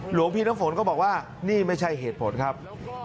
หลวงพี่น้ำฝนก็บอกว่านี่ไม่ใช่เหตุผลครับ